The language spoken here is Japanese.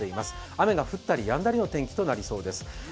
雨が降ったりやんだりの天気となりそうです。